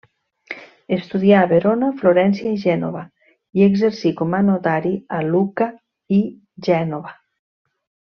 Estudià a Verona, Florència i Gènova i exercí com a notari a Lucca i Gènova.